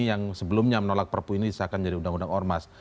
yang sebelumnya menolak perpu ini disahkan jadi undang undang ormas